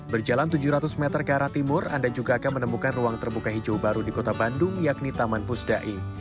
berjalan tujuh ratus meter ke arah timur anda juga akan menemukan ruang terbuka hijau baru di kota bandung yakni taman pusdai